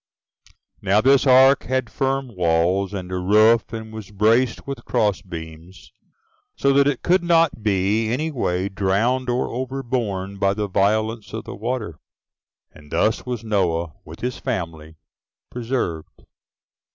Now this ark had firm walls, and a roof, and was braced with cross beams, so that it could not be any way drowned or overborne by the violence of the water. And thus was Noah, with his family, preserved.